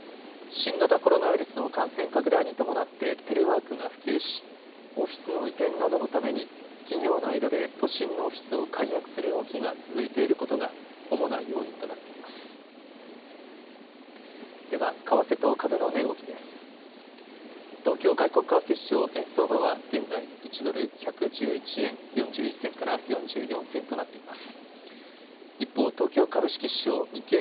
新型コロナウイルスの感染拡大に伴ってテレワークが普及しオフィスの移転などのために企業の間で都心のオフィスを解約する動きが続いていることが主な要因となっています。